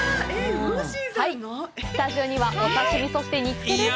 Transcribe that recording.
スタジオにはお刺身、そして煮つけです。